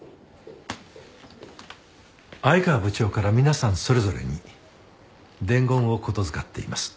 愛川部長から皆さんそれぞれに伝言を言付かっています。